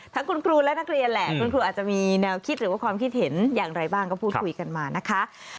ทั้งคุณครูและนักเรียนแหละคุณครูอาจจะมีแนวคิดหรือว่าความคิดเห็นอย่างไรบ้างก็พูดคุยกันมานะคะ